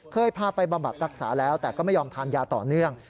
เคยพาไปบำบัดรักษาแล้วแต่ก็ไม่ยอมทานยาต่อเนื่อง